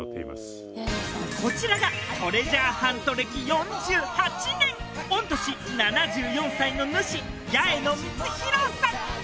こちらがトレジャーハント歴４８年御年７４歳の主・八重野充弘さん